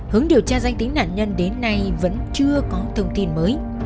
hướng điều tra danh tính nạn nhân đến nay vẫn chưa có thông tin mới